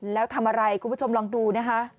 แล้วทำอะไรคุณผู้ชมลองดูนะคะ